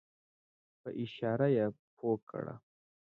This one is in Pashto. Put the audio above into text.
په اشاره یې پوی کړم.